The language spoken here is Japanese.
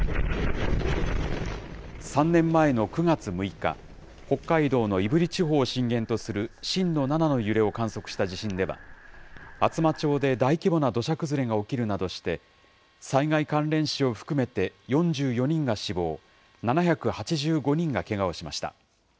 ３年前の９月６日、北海道の胆振地方を震源とする震度７の揺れを観測した地震では、厚真町で大規模な土砂崩れが起きるなどして、災害関連死を含めて４４人が死亡、７８５人がけがをしました。